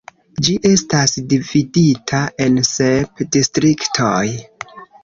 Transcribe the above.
Ĝi estas dividita en sep distriktoj.